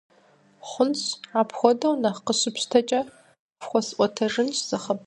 Хъунщ, апхуэдэу нэхъ къыщыпщтэкӀэ, фхуэсӀуэтэжынщ зы хъыбар.